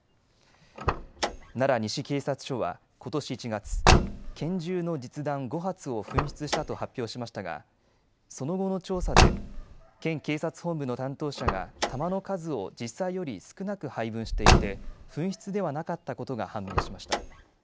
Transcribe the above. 奈良西警察署はことし１月、拳銃の実弾５発を紛失したと発表しましたがその後の調査で県警察本部の担当者が弾の数を実際より少なく配分していて紛失ではなかったことが判明しました。